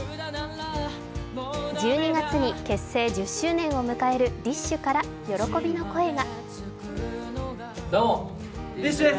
１２月に結成１０周年を迎えるＤＩＳＨ／／から喜びの声が。